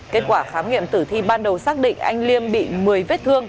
kết quả khám nghiệm tử thi ban đầu xác định anh liêm bị một mươi vết thương